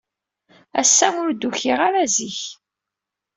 Ass-a, ur d-ukiɣ ara zik.